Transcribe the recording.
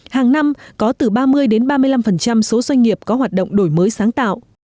hàng năm có từ ba mươi ba mươi năm số doanh nghiệp có hoạt động đổi mới sáng tạo